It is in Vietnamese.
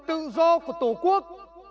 tự do của tổ quốc